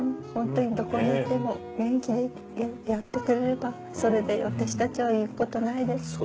ほんとにどこにいても元気でやってくれればそれで私たちは言うことないです。